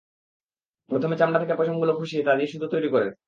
প্রথমে চামড়া থেকে পশমগুলো খসিয়ে তা দিয়ে সুতা তৈরি করেন।